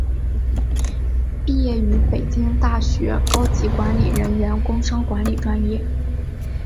毕业于北京大学高级管理人员工商管理专业。